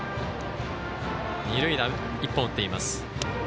二塁打１本打っています。